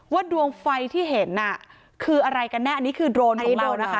ดวงไฟที่เห็นคืออะไรกันแน่อันนี้คือโดรนของเรานะคะ